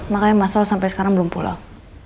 makanya masal sampai sekarang belum pulau